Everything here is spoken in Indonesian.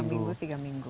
dua minggu tiga minggu